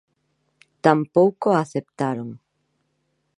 Tampouco a aceptaron.